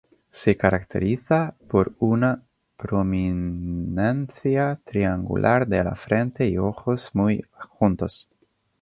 Se caracteriza por una prominencia triangular de la frente y ojos muy juntos.